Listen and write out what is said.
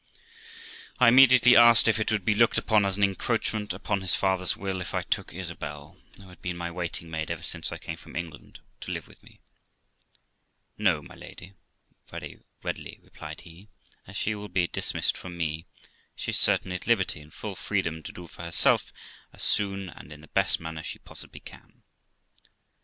I immediately asked if it would be looked upon as an encroachment upon his father's will if I took Isabel (who had been my waiting maid ever since I came from England) to live with me. 'No, my lady', very readily replied he ; 'as she will be dismissed from me, she is certainly at liberty and full freedom to do for herself as soon and in the best manner she possibly can.'